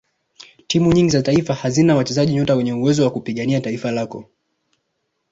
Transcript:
timu nyingi za taifa hazina wachezaji nyota wenye uwezo wa kupigania taifa lako